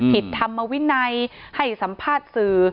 ผิดธรรมวินัยให้สัมภาษณ์สื่อ